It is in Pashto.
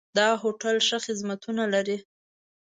دا هوټل ښه خدمتونه لري.